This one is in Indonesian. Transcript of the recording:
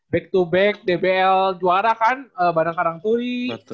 back to back dbl juara kan bareng karangturi